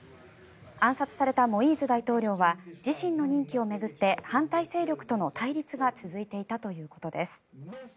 暗殺されたモイーズ大統領は自身の任期を巡って反対勢力との対立が続いていたということです。